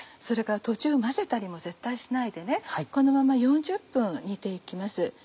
それから途中混ぜたりも絶対しないでこのまま４０分煮て行きます。